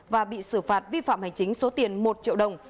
và bị xử phạt vi phạm hành chính số tiền một triệu đồng